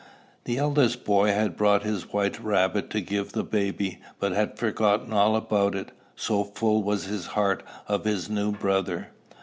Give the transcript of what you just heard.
The eldest boy had brought his white rabbit to give the baby, but had forgotten all about it, so full was his heart of his new brother.